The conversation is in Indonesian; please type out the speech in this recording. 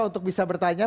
untuk bisa bertanya